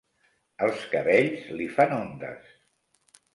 Els cabells li fan ondes.